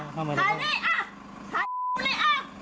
นี่แม่ชาวมาถ่ายรถหัวฉันน่าไม่เกี่ยวกัน